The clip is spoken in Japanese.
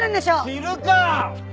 知るか！